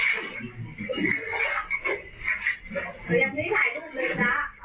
พี่หนุนดีกว่านี้นะครับ